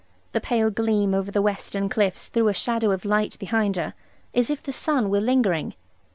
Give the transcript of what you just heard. The pale gleam over the western cliffs threw a shadow of light behind her, as if the sun were lingering.